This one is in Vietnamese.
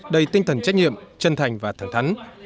đầy tinh thần trách nhiệm chân thành và thẳng thắn